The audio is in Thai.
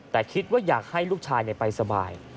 แต่คิดว่าอยากให้ลูกชายไปสบาย